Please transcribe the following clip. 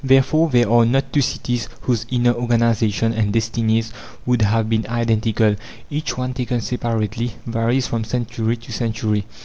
Therefore, there are not two cities whose inner organization and destinies would have been identical. Each one, taken separately, varies from century to century.